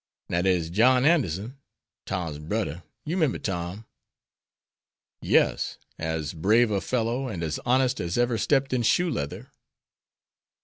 Now dere's John Anderson, Tom's brudder; you 'member Tom." "Yes; as brave a fellow and as honest as ever stepped in shoe leather."